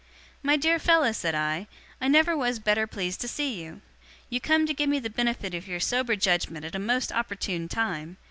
'My dear fellow,' said I, 'I never was better pleased to see you. You come to give me the benefit of your sober judgement at a most opportune time.